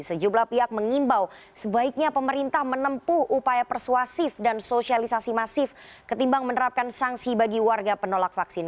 sejumlah pihak mengimbau sebaiknya pemerintah menempuh upaya persuasif dan sosialisasi masif ketimbang menerapkan sanksi bagi warga penolak vaksin